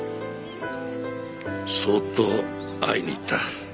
そっと会いに行った。